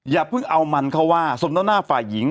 อย่าเพิ่งเอามันเข้าว่าสมต่อหน้าฝ่ายหญิง